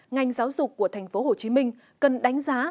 ngành giáo dục của tp hcm cần đánh giá